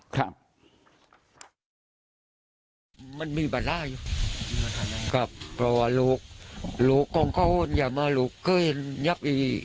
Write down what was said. ครับ